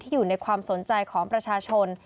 อยู่ในความสนใจของประชาชน